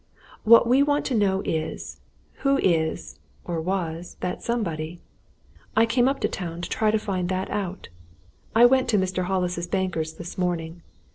What we want to know is who is or was, that somebody? I came up to town to try to find that out! I went to Mr. Hollis's bankers this morning.